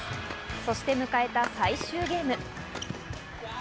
そして迎えた最終ゲーム。